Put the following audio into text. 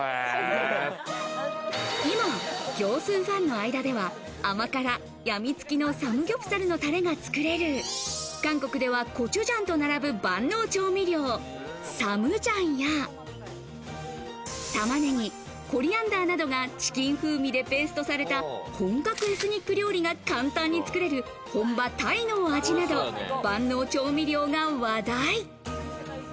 今、業スーファンの間では甘辛やみつきのサムギョプサルのタレが作れる韓国ではコチュジャンと並ぶ万能調味料・サムジャンや、玉ねぎ、コリアンダーなどがチキン風味でペーストされた本格エスニック料理が簡単に作れる本場タイの味など、万能調味料が話題。